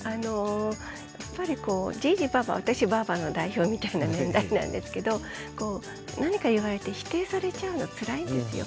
やっぱりこうじぃじばぁば私はばぁばの代表みたいな年代なんですけど何か言われて否定されちゃうのつらいんですよ。